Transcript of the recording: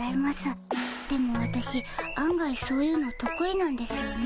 でもわたしあん外そういうのとく意なんですよね。